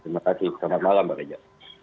terima kasih selamat malam mbak reza